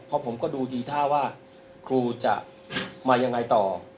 เพราะผมก็ดูทีท่าว่าครูจะมายังไงต่อ